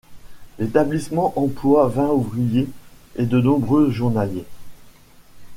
L'établissement emploie vingt ouvriers et de nombreux journaliers.